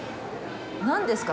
何ですか？